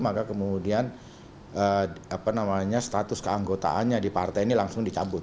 maka kemudian status keanggotaannya di partai ini langsung dicabut